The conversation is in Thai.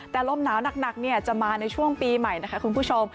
แต่ลมหนาวหนักจะมาในช่วงปีใหม่นะคะคุณผู้ชม